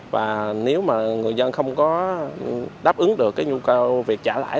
và nếu mà người dân không có đáp ứng được cái nhu cầu việc trả lãi